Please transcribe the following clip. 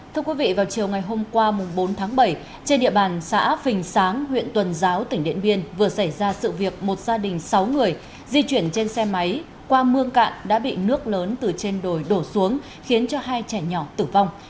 thưa quý vị vào chiều ngày hôm qua bốn tháng bảy trên địa bàn xã phình sáng huyện tuần giáo tỉnh điện biên vừa xảy ra sự việc một gia đình sáu người di chuyển trên xe máy qua mương cạn đã bị nước lớn từ trên đồi đổ xuống khiến cho hai trẻ nhỏ tử vong